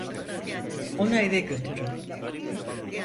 Onu eve götürün.